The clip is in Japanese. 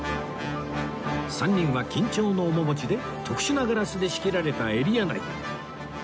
３人は緊張の面持ちで特殊なガラスで仕切られたエリア内へ